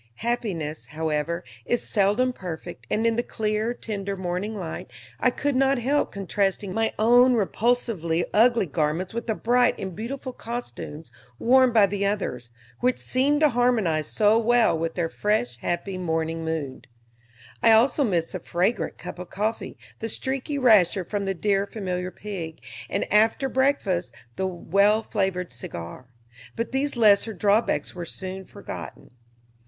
Happiness, however, is seldom perfect, and in the clear, tender morning light I could not help contrasting my own repulsively ugly garments with the bright and beautiful costumes worn by the others, which seemed to harmonize so well with their fresh, happy morning mood. I also missed the fragrant cup of coffee, the streaky rasher from the dear familiar pig, and, after breakfast, the well flavored cigar; but these lesser drawbacks were soon forgotten.